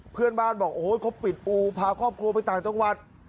เพื่อนบ้านบอกโอ้โหเขาปิดอูพาครอบครัวไปต่างจังหวัด